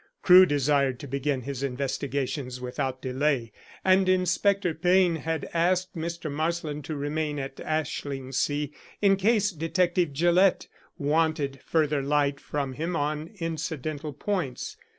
Crewe desired to begin his investigations without delay, and Inspector Payne had asked Mr. Marsland to remain at Ashlingsea in case Detective Gillett wanted further light from him on incidental points.